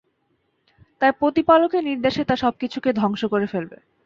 তার প্রতিপালকের নির্দেশে তা সবকিছুকে ধ্বংস করে ফেলবে।